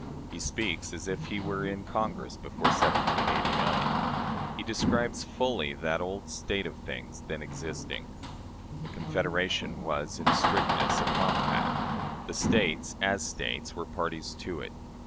He speaks as if he were in Congress before 1789. He describes fully that old state of things then existing. The Confederation was, in strictness, a compact; the States, as States, were parties to it.